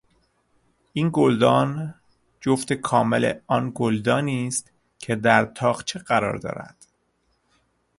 این گلدان جفت کامل آن گلدانی است که در تاقچه قرار دارد.